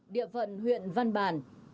địa vận huyện văn bàn